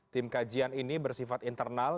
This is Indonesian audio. tim kajian ini bersifat internal